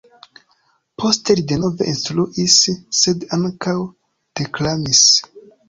Poste li denove instruis, sed ankaŭ deklamis.